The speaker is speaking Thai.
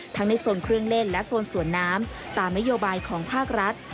ในโซนเครื่องเล่นและโซนสวนน้ำตามนโยบายของภาครัฐ